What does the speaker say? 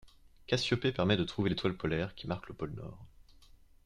Cassiopée permet de trouver l'étoile polaire, qui marque le pôle nord.